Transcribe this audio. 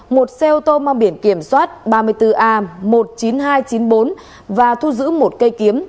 một xe ô tô mang biển kiểm soát ba mươi bốn a một mươi chín nghìn hai trăm chín mươi bốn và thu giữ một cây kiếm